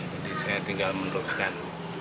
jadi saya tinggal meneruskan